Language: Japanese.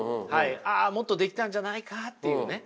あもっとできたんじゃないかっていうね。